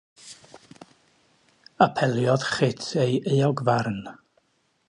Apeliodd Chit ei euogfarn.